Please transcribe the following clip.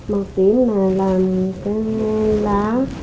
màu tím là làm cái lá